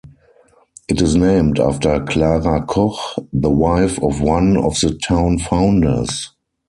It is named after Clara Koch, the wife of one of the town founders.